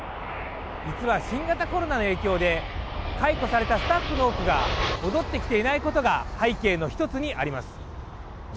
実は新型コロナの影響で解雇されたスタッフの多くが戻ってきていないことが背景の一つにあります。